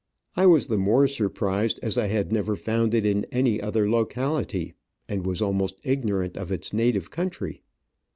I was the more surprised as I had never found it in any other locality, and was almost ignorant of its native country.